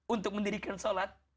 untuk mendirikan sholat